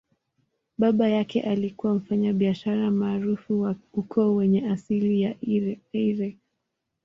Baba yake alikuwa mfanyabiashara maarufu wa ukoo wenye asili ya Eire.